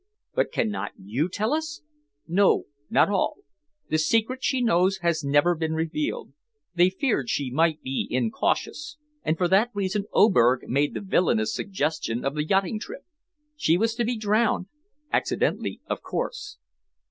"But cannot you tell us?" "No; not all. The secret she knows has never been revealed. They feared she might be incautious, and for that reason Oberg made the villainous suggestion of the yachting trip. She was to be drowned accidentally, of course."